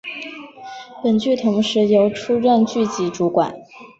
本剧同时由出任剧集主管。